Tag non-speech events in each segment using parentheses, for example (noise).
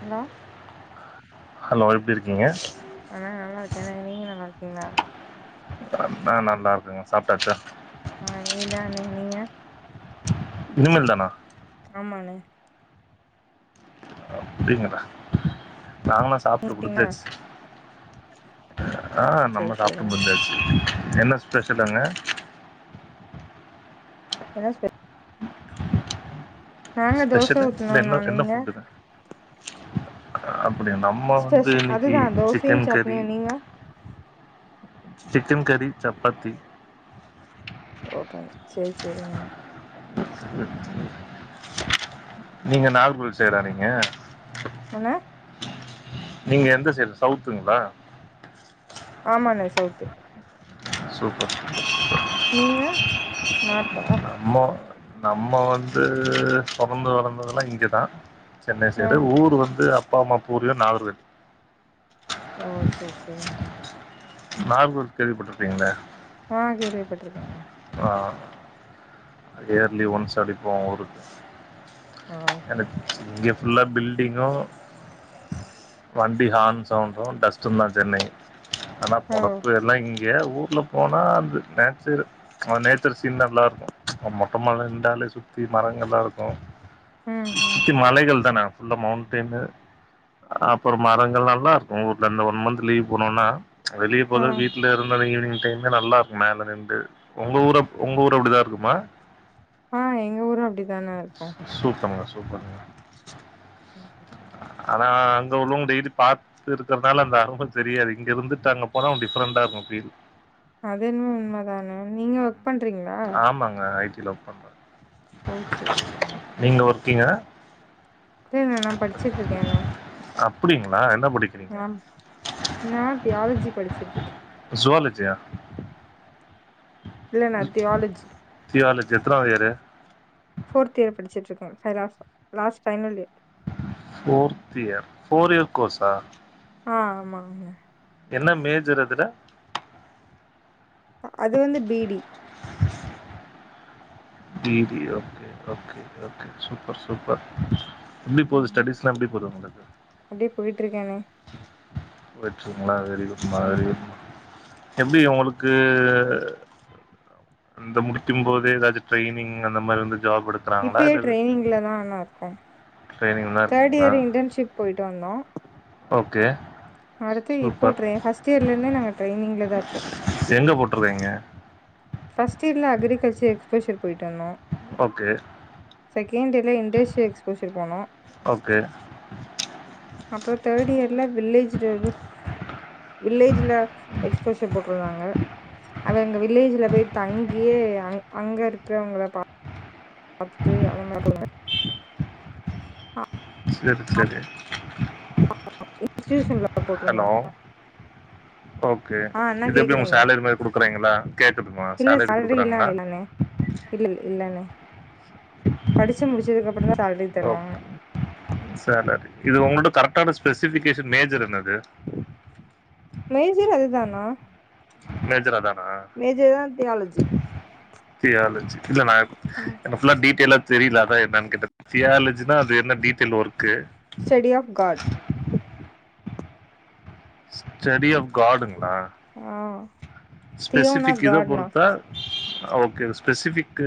Hello hello எப்டி இருக்கீங்க ஆ நா நல்லாருக்கே நீங்க நல்லா இருக்கீங்ளா நா நல்லா இருக்கங்க சாப்ட்டாச்சா ஆ இனிமே தாண்ணே நீங்க இனி மேல் தானா ஆமாணே அப்டிங்ளா (unintelligible) சாப்ட்டு சாப்ட்டீங்களா முடிஞ்சாச்சு ஆ சேரி நம்ம சாப்ட்டு சேரிங்கண்ணே முடிஞ்சாச்சு என்ன ஸ்பெஷல் அங்க என்ன ஸ் நாங்க தோச ஸ்பெஷளு இல்ல என்ன ஊத்தணும்ண்ணா என்ன நீங்க ஃபுட்டுங்க அப்டியா நம் நம்மா வந்து ஸ்பெஷ் இன்னைக்கி அதுதா தோசையு சிக்கன் கறி சட்னியு நீங்க சிக்கன் கறி சப்பாத்தி ஓகே சேரி சேரிங்கண்ணே (inaudible) நீங்க நாகர்கோயில் சைடா நீங்க அண்ணே நீங்க எந்த சைடு சௌத்துங்ளா ஆமாண்ணே சௌத்து சூப்பர் சூப்பர் சூப்பர் நீங்க நார்த்தா நம்ம நம்ம வந்து பொறந்து வளந்ததுயெல்லா இங்கதா சென்னை ஆ சைடு ஊர் வந்து அப்பா அம்மா பூர்விகம் நாகர்கோவில் ஓ சேர் சேரி நாகர்கோவில் கேள்விபட்டுருக்கீங்கள ஆ கேள்விப்பட்டுறுகே ஆ இயர்லி ம் ஒன்ஸ் அப்டிப்போவோ ஊருக்கு ஆ சேரி எனக்கு இங்க ஃபுல்லா பில்டிங்கு வண்டி ஹாரன் சவுன்டு டஸ்ட்டு தா சென்னை ஓ உடப்பு எல்லா இங்க ஊர்ல போனா அந்த நெச்சுரல் அந்த நெச்சுரல் சீன் நல்லா இருக்கு ம்ச் மொட்ட மலை இருந்தாலே சுத்தி மரங்கள் எல்லா இருக்கு ம் ம் சுத்தி மலைகள் தான ஃபுல்லா மௌண்டைனு அப்புறோ மரங்கள் நல்லா இருக்கு ஊரில் அ இந்த ஒன் மந்த் லீவ் போனோன்னா ம்ச் அந்த லீவ் ஆ ஃயுல்லா வீட்டுல இருந்தாலங்க ஈவினிங் இங்க நல்லா இருக்கு மேல நின்று உங்க ஊரு உங்க ஊரு அப்படிதான் இருக்குமா ஆ எங்க ஊரு அப்டிதா அண்ணா இருக்கு சூப்பருங்க சூப்பருங்க ம் ஆனா அங்க உள்ளவங்கட டெய்லி பாத்து இருக்கிறதுனால அந்த அரும தெரியாது இங்க இருந்து அங்க போனா டிஃப்ரெண்டா இருக்கு ஃபீல் அது என்னமோ உண்ம தா அண்ணா நீங்க ஒர்க் பண்றீங்களா ஆமாங்க ஐ டில ஒர் பண்றே ஓ சேரி சேரி நீங்க ஒர்க்கீங்கா இல்ல அண்ணே நா படிச்சுட்டு இருக்கே அண்ணே அப்படிங்களா என்ன படி நா நா தியாலஜி படிச்சுட்டு இருக்கே ஜுவாலஜியா இல்ல நா தியாலஜி தியாலஜி எத்தனாவது இயரு ஃபோர்த்து இயர் படிச்சட்டு இருக்க last last final year fourth year four year கோர்சா ஆ ஆமாங்க என்ன மேஜர் அதுல அ அது வந்து பீ டி பீ D okay okay okay super super எப்டி போகுது ம் ஸ்டடிஸ்லா எப்டி போது உங்களுக்கு அப்டியே போயிட்ருக்கேனே போய்ட்டு இறுகுங்களா வெரி குடமா வெரி ம் குட் எப்டி உங்களுக்கு அந்த முடிக்கு போதே ஏதாது ட்ரைனிங் அந்த மாதிரி வந்து ஜாப் எடுத்து இப்பயே ட்ரெயனிங்ல தா அண்ணா இருக்கே ட்ரைனிங்லா தேர்ட் இருக்கீங்களா இயர் இன்டர்ன்ஷிப் போயிட்டு வந்தோ ஓகே அடுத்து இப்போ சூப்பர் ட்ரெ ஃபிரஸ்ட் இயர்ல இருந்தே நாங்க டெரைனிங்லா தா இருக்கோ எங்க போட்டுருக்கீங்க ஃபிரஸ்ட் இயர்ல அக்ரிகல்ட்டுரல் எக்ஸ்போஷர் போய்ட்டு வந்தோ ஓகே செகண்ட் இயர்ல இண்டஸிய எக்ஸ்போஷர் போனோ ஓகே அப்றோ தேர்ட் இயர்ல வில்லேஜ் ரோடு வில்லேஜ்ல எக்ஸ்போஷன் போட்ருக்காங்க அவ எங்க வில்லேஜ்ல போயி தங்கியே அ அங்க இருக்கறவங்கல பா த்துட்டு அதுமே கொடுங்க செரி செரி அ இன்ஸ்டூஷன்ல போட்ருந்தாங்க ஓகே ஆ அண்ணா இது எப்டி உங் கேக்குதுங்களா சேலரி மாதிரி குடுக்குறங்ளா கேக்குதுமா சேலரி சேலரில்லா குடுக்குறாங்ளா இல்லண்ணே இல்ல இல்ல இல்ல படிச்சு முடிச்சதுக்கு அப்றோ தா ஒ செலரி இது உங்களுட கரெக்டான ஸ்பெசிபிகேஷன் மேஜர் என்னது மேஜர் அது தானா மேஜர் அது தானா தா தியாலஜி தியாலஜி இல்ல நா ஃபுல்ல டீடெயலா தெரில அதா என்னானு கேட்ட தியாலஜினா அது என்ன detail work study of God study of காட்டுங்ளா ஆ தியோனா ஸ்பெசிபிக் இத காட்னா பொறுத்தா ஓகே ஸ்பெசிபிக்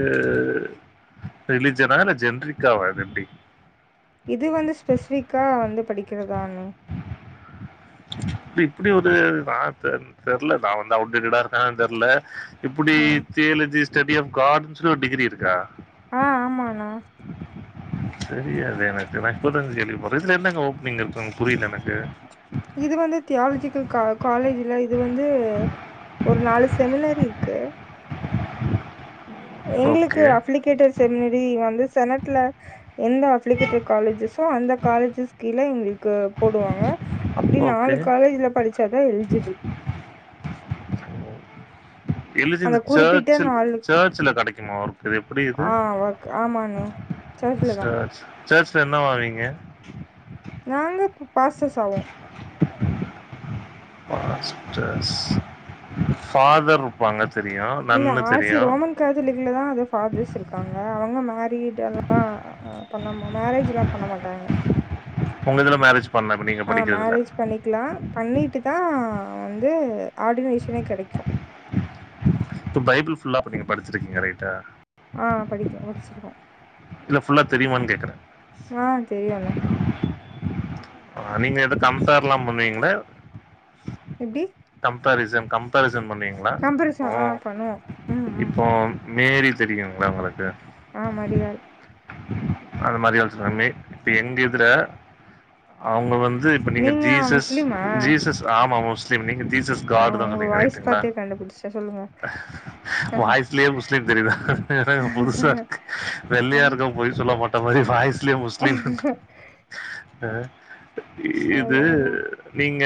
ரிலிஜனா இல்ல ஜென்ரிக்காவ இது எப்டி இது வந்து ஸ்பெசிபிக்கா வந்து படிக்கிறதான இல்ல இப்டி ஒரு வார்த்த தெர்ல நா வந்து அவுட் டேடா இருக்கானு தெர்ல இப்டி ஆ தியாலஜி ஸ்டடி ஆப் கார்ட்ன் சொல்லி ஒரு டிகிரி இருக்கா ஆ ஆமாண்ணா தெரியாது எனக்கு நா இப்பதா கேள்விப்ட்ற இதுல என்னங்க ஓப்பனிங் இருக்குங்க புரியல எனக் இது வந்து தியாலஜிக்கல் கா காலேஜ்ல இது வந்து ஒரு நாலு செமினர் இருக்கு எங்களுக்கு ஓகே. அப்ளிகேட்டர் செமினரி வந்து செனட்ல எந்த அப்ளிகேட்டர் காலேஜஸோ அந்த காலேஜஸ் கீழ எங்களுக்கு போடுவாங்க அப்டி ஓகே. நாலு காலேஜ்ல படிச்சாதா எலிஜிபிள் அந்த எழுதியிருந்துச்சா குறிப்பிட்ட சர்ச் நாலு சர்ச்ல கிடைக்குமா இது எப்டி இது ஆ ஓக் ஆமாண்ணே சர்ச்ல தா சேர் சேர் ஸ்டேஷன்ல என்னால் இருங்கிங்க நாங்க பாச சாவோ பாஸ்டர்ஸ் ஃபாதர் இருப்பாங்க தெரியு நன்னு தெரியு காதலக்கு தா அந்த பாதர்ஸ் இருக்காங்க அவங்க மேரீட் எல்லா பண்ண மேரேஜ் எல்லா பண்ண மாட்டாங்க உங்க இதுல மேரேஜ் பண்ணப்ப நீங்க படிக்கறயிதுல பண்ணிக்கலா பண்ணிட்டு தா வந்து ஆர்டினேஷனே கெடைக்கு இப்போ பைபிள் ஃபுல்லா அப்ப நீங்க படிச்சிருக்கீங்க ரைட்டா ஆ படிக்க படிச்சிருக்கே இல்ல ஃபுல்லா தெரிமானு கேக்ற ஆ தெரியுண்ணா நீங்க எது கம்ஃபர்லா பண்ணுவீங்ளா எப்டி கம்பரிசம் கம்பரிசம் பண்ணுவீங்ளா இப்போ கம்பரிசன் ஆ பண்ணுவோ ம் ம் இப்போ மேரி தெரியுங்களா ஒங்களுக்கு ஆ மரியாள் அந்த மரியாள் சாமி இப்ப எங்க இதுல அவுங்க வந்து நீங்க ஜீசஸ் ஜீசஸ் ஆமா முஸ்லிம் நீங்க ஜீசஸ் ஓ காடு தா உங்க சொன்னிங்க வாய்ஸ் ரைட்டுங்களா பாத்தே கண்டுபிடிச்சே சொல்லுங்க வாய்ஸ்லே முஸ்லீம் தெரியிது என்னங்க புதுசாருக்கு வெள்ளயா இருக்கவ பொய் சொல்ல மாட்டா மாரி வாய்ஸ்லே முஸ்லீ ன் ஆ இது அதா அதா நீங்க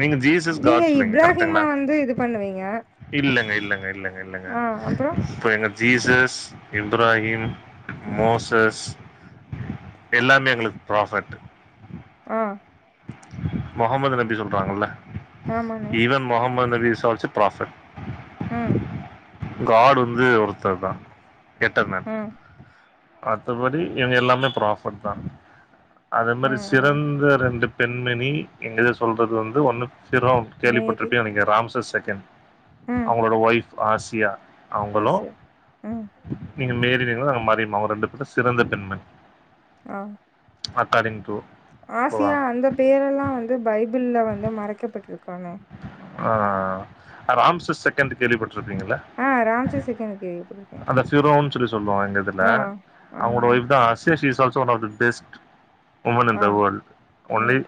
நீங்க ஜீஸ் சஸ் நீங்க காட் சொல்றீங்க கரெக்டுங்ளா இப்ராஹிமா வந்து இது பண்ணுவீங்க இல்லங்க இல்லங்க இல்லங்க இல்லங்க ஆ அப்றோ இப்ப எங்க ஜீசஸ் இப்ராஹிம் மோசஸ் எல்லாமே எங்களுக்கு ப்ராஃபட் ஆ முகமது நபி சொல்றாங்கல்ல ஆமாண்ணே even Mohammed Nabees also prophet ம் ஃகாடு வந்து ஒருத்தர்தா எட்டர்ந ம் மத்தபடி இவுங்க எல்லாமே ப்ராஃபட் தா அதே மாரி ம் ம் சிறந்த ரெண்டுப் பெண்மனி எங்க இத சொல்றது வந்து ஒன்னு சிரொ மேரி கேள்விப்பட்டிருப்பே நீங்க ராம்ச செகண்ட் ம் அவுங்களோட ஒய்ஃப் ஆசியா அவுங்களூ ஆசியா ம் இங்க மேரீனீன்னா அங்க மாரிமா அவுங்க ரெண்டு பேரூ சிறந்த பெண்மணி அ அக்கார்டிங்டு ஆசியா அந்த பேரல்லா வந்து பைபிள்ள வந்து மறைக்கப்பட்டிருக்காங்க ஆ ராம்சுஸ் செகண்ட் கேள்விப்பட்ருப்பீங்கள ஆ ராம்சே செகண்ட் கேள்விப்பட்டிருக்கே அந்த சிரோன்னு சொல்லி சொல்வோ எங்க இதுல ஆ அவுங்களோட ஆமாண்ணே ஒய்ஃப்தா ஆசி she's also one of the best woman in the old only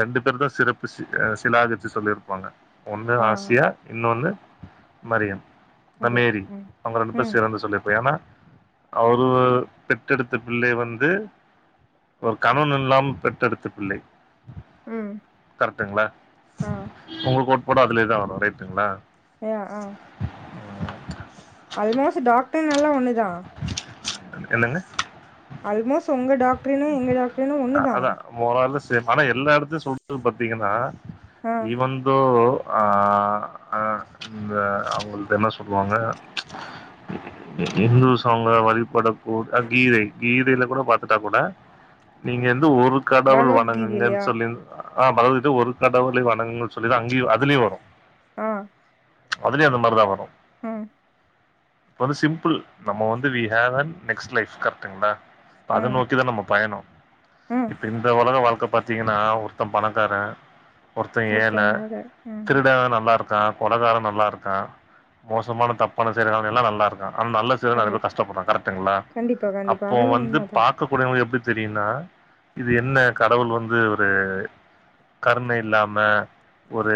ரெண்டு பேர் தா சிறப்பு சி சிலாகச்சி சொல்லியிருப்பாங்க ஒண்ணு ஆசியா இன்னொன்னு வந்து மரியம் இந்த மேரி அவங்க ரெண்டு பேர் சிறந்து சொல்லிருப்பா ஏன்னா அவரு பெற்றெடுத்த பிள்ளை வந்து ஒரு கணவன் இல்லாம பெற்றெடுத்த பிள்ளை கரெக்டுங்ளா அ ஒங்க கோட்பாடு அதுலேதா வரு ரைட்டுங்ளா ஏ ஆ அல்மோஸ்ட் டாக்டரினெல்லா ஒண்ணுதா என்னங்க அல்மோஸ்ட் ஒங்க டாக்டரினு எங்க டாக்டரினு ஒண்ணுதா மோர்ரார்லஸ் சேம் ஆனா எல்லா எடத்திலியு சொல்றது பாத்தீங்கன்னா ஆ ஈவந்தோ ஆ ஆ ஆ ஆ இந்த அவுங்களுட்ட என்ன சொல்வாங்க இ இந்தூஸ் அவுங்க வழிபட கூட கீதை கீதயில கூட பாத்துட்டா கூட நீங்க இந்து ஒரு கடவுள் வணங்குங்கன்னு பகவத்கீதையிலயா சொல்லிர்ந்தா ஆ பதனிட்டு ஒரு கடவுள வணங்கன் சொல்லிதா அங்கயு அதுலயு வரு ஆ அதுலயு அந்த மாரிதா வரு ம் (inaudible) இப்ப வந்து சிம்பிள் நம்ம வந்து we have an next life கரெக்டங்களா அத ம் நோக்கிதா நம்ம பயணோ ம் இப்ப இந்த உலக வாழ்க்க பாத்தீங்கன்னா ஒருத்த பணக்கார ஒருத்த ஏழ குடுத்தனால ம் திருட நல்லா இருக் இருக்கா கொலகார நல்லா இருக்கா மோசமான தப்பான செய்றவ எல்லா நல்லா இருக்கா ஆனா நல்ல நெறைய கண்டிப் பேர் கஷ்டப்படு கரெக்டங்களா கண்டிப்பா கண்டிப்பா அப்போ அதெல்லா வந்து உண்மதா பார்த் இருக்கக்கூடியவளுக்கு எப்டி தெரியும்னா இது என்ன கடவுள் வந்து ஒரு கருணை இல்லாம ஒரு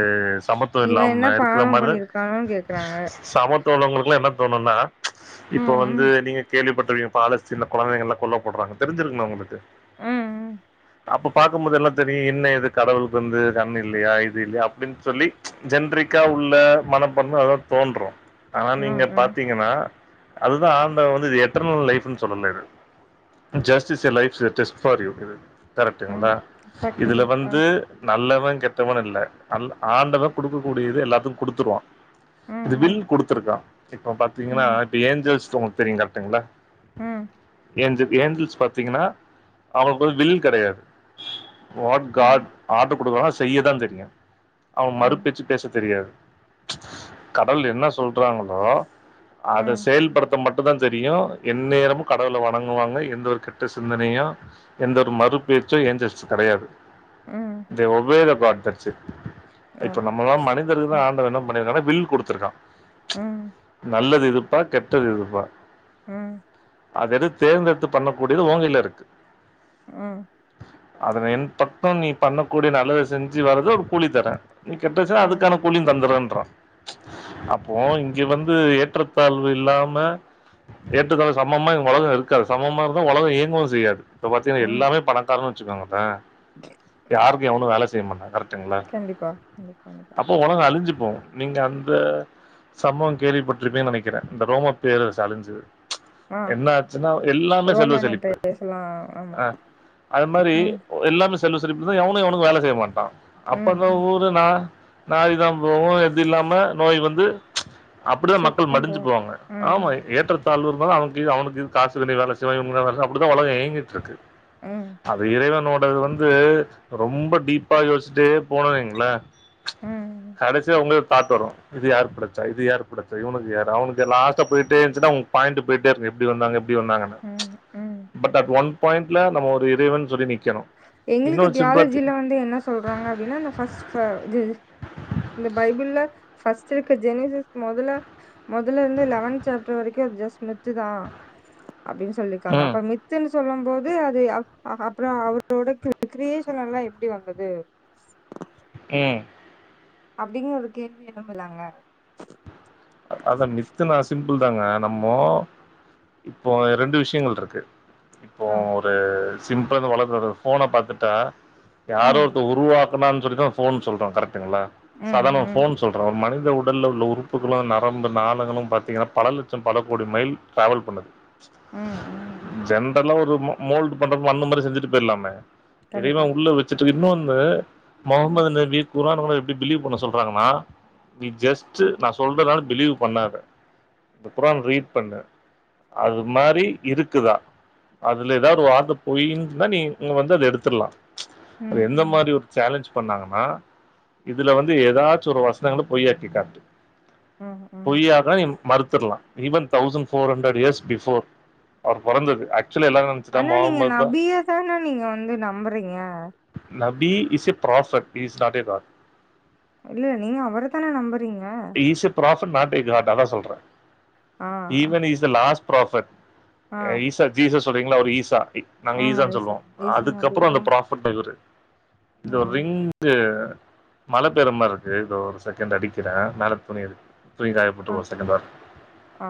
சமத்துவோ இவ இல்லாம இருக்கிற பாவம் மாரிதா என்ன பண்ணிருக்கானோனு கேக்குறாங்க சமத்துவோ உள்ளவங்களுக்கெல்லா என்ன தோணும்னா ச் இப்போ ம் வந்து ம் நீங்க கேள்விப்பட்டிருகே பாலஸ் சின்ன கொழந்தைகல்லா கொல்லப்படுறாங்க தெரிஞ்சிருக்குமே உங்களுக்கு ம் ம் அப்ப பாகும்போது எல்லா தெரியு என்ன இது கடவுளுக்கு வந்து கண் இல்லையா இது இல்லையா அப்டின்னு சொல்லி ச் ஜென்ரிக்கா உள்ள மனப்பான்ம அதா தோன்று ஆனா ம் ஆ நீங்க ஆ பாத்தீங்கன்னா அதுதா ஆண்டவ வந்து இது எத்தன பேர்ரோட லைஃப்னு சொல்லல இது just is a life test for you இது ம் கரெக்டுங்களா இதுல ப்ராக்டிகல் ஆ வந்து நல்லவ கெட்டவன்னு இல்ல ஆண்டவ குடுக்க கூடியது எல்லாத்துக்கு குடுத்துருவா ம் இது ம் வில் குடுத்துருக்கா இப்ப பாத்தீங்கன்னா ம் இப்ப ஏஞ்சல்ஸ் உங்களுக்கு தெரியு கரெக்டுங்களா ம் ஏஞ்சல் ஏஞ்சல்ஸ் பாத்தீங்கன்னா அவங்களுக்கு வில் கெடையாது வாட் ம் காட் ஆர்டர் கொடுக்கறனா செய்யதா தெரியு அவ ஆ மறுப்பேச்சு பேச தெரியாது ச் கடவுள் என்ன சொல்றாங்களோ அத ம் செயல்படுத் மட்டு தா தெரியு என் நேரமு கடவுள வணங்குவாங்க எந்த ஒரு கெட்ட சி சிந்தனையு எந்தொரு மறு பேச்சு ஏஞ்சல்ஸ் கு கெடையாது ம் ஒவ காட தச்சு ஆ இப்ப நம்மலா எஸ் மனி ம் இருக்கு ஆண்டவ என்ன பண்ணியிருக்கானா வில் கொடுத்துருக்கா ச் ம் நல்லது எது பா கெட்டது இது பா ம் அதது தேர்ந்தெடுத்து பண்ணக் கூடிய ஓலைல இருக்கு ம் அதனை என் பக்கம் நீ பண்ணக்கூடிய நல்லத செஞ்சு வரது ஒரு கூலி தரே நீ கெட்டச்சுன்னா ம் அதுக்கான கூழியு தந்துறன்றா ச் அப்போ இங்க வந்து ஏற்றத்தாழ்வு இல்லாம ஏட்டுக்கலம் சமமா உலகோ இருக்காது சமமா இருந்தா உலகோ இயங்கு தெரியாது இப்ப பாத்தீங்கன்னா ம் எல்லாமே பணக்காரன்னு வச்சுக்கோங்களே (inaudible) யாருக்கு யவனு வேல செய்ய மாட்டா க கண்டிப்பா கண்டிப்பா க உலகோ அழிஞ்சுப்போகு நீங்க அந்த சம்பவோ கேள்விப்பட்டிருப்பேன்னு நெனைக்கிறே இந்த ரோம பேர் அழிஞ்சது ச் ஆ என்ன ஆச்சுன்னா எல்லாமே செல்வ செழிப்பு அலோ அ அது மாதிரி எல்லாமே செல்வ செழிப்புதா எவனு எவனுக்கு வேல செய்ய மாட்டா ம் அப்பதா ம் ஊரு நா நாரிதா போகு எது இல்லா நோய் வந்து ச் அப்டிதா மக்கள் சேத்துதா மடிஞ்சு போவோ போவாங்க ம் ஆமா ஏற்றத் (unintelligible) அவ்னுக்கு கீழ அவனுக்கு காசு வெளிய வேல செய்யவங்க (inaudible) அப்டிதா உலக இயங்கிட்டு இருக்கு ம் அது இறைவனோடது வந்து ரொம்ப டீப்பா யோசிச்சுட்டே போன வைக்கலே ம் கடைசிய அவுங்கள பாத்துர்ரோ இது யாரு படச்சா இது யாருபடச்சா உனக்குயாரு அவுனுக்குயாரு லாஸ்டா போய்ட்டே இருந்துச்சுன்னா ஒ பாயிண்ட்டுக்கு போய்ட்டே இருக்கு எப்டி வந்தாங்க எப்டி வந்தாங்கன்ன ம் ம் பட் அட் ஒன் பாயிண்ட்ல நம்ம ஒரு இறைவன்னு சொல்லி நிக்கணு எங்களுக்கு தியாலஜில வந்து என்ன சொல்றாங்க அப்டின்னா தே (unintelligible) இது இந்த பைபிள்ல ஃபர்ஸ்ட் இருக்க ஜெனிசஸ் மொதல்ல மொதல்ல இருந்து லெவன்த் சாப்டர் வரைக்கு அது ஜஸ்ட மித்து தா அப்டின்னு சொல்லிய்ருக்காங்க ம் அப்ப மித்துன்னு சொல்லு போது அது அப் ஆ அப்பறோ அவ் ப்ரொட் க் கிரியேஷன் எல்லா எப்டி வந்தது ம் அப்டிங்குற ஒரு கேள்வி எழுப்புலாங்க அ அத நித்துனா சிம்பிள் தாங்க நம்மோ இப்போ இரண்டு விஷ்யங்கள் இருக்கு இப்போ ஆ ஒரு சிம்பளந்து வளர ஃபோன பாத்துட்டா யார ம், ஒருத்த உருவாக் பண்ணங்கனு சொல்லிதா ஃபோன் சொல்றே கரெக்டங்கள ம், சாதாரண ஒரு ம், ஃபோன் சொல்ற ஒரு மனித உடல உள்ள உறுப்பு களு நரம்பு நாளங்களு பாத்தீங்கன்னா பல லட்சம் பல கோடி மைல் ட்ராவல் பண்ணுது ம், ம். ஜென்ரலா ஒரு மோ மோல்டு பண்றப்போ அந்த மாரி செஞ்சுட்டு போய்டலாமே இறைவ கண்டிப்பா. உள்ள வச்சுட்டு இன்னோனு ம், முகமது நபி குர்ஆன் ஓத எப்டி பிலீவ் பண்ண சொல்றாங்கன்னா நீ ஜஸ்டு ம், நா சொல்றதலா பிலீவ் பண்ணாத இந்த குரான் ரீட் பண்ணு அது ஒரு மாரி இருக்குதா அதுல ஏதாவ்து வார்த்த போய்னு இருந்தா நீ இங்க வந்து அத எடுத்துடலா அது ம், எந்த ம், மாரி ஒரு சேலஞ்ச் பண்ணாங்கன்னா இதுல வந்து ஏதாச்சு ஒரு வசனங்கள பொய்யாக்கி காட்டு ம் (unintelligible) பொய்யான நீ மறுத்துடலா even thousand four hundred years before அவர் பொறந்தது ஆக்சுவல எல்லாரு (inaudible) ஆனா நீங்க நபியா தானா நீங்க வந்து நம்புறீங்க நபி is a prophet he is not a God இல்ல நீங்க அவர தான நம்புறீங்க he is a prophet not God அதா சொல்றேன் ஆ, ஈவன் இஸ் லாஸ்ட் ப்ராஃபட் ஆ, ஈசா ஜீசஸ் சொல்றீங்களா ஒரு ஈசா நாங்க ஆமா. ஈசான்னு ஈசா சொல்லுவோ ஈசா நபி. அதுக்கப்பறோ அ, அந்த ஃப்ரா ப்ட் இவ்ரு அ, தே ரிங் இது மழ பெய்ற மாரிக்கு தோ ஒரு செகண்ட் அடிக்கிறே மேல துணி இருக்கு துணிய காயப்போட்டு அ, ஒரு செகண்ட் வரே அ.